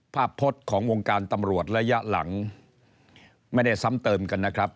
พจน์ของวงการตำรวจระยะหลังไม่ได้ซ้ำเติมกันนะครับ